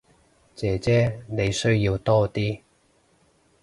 姐姐你需要多啲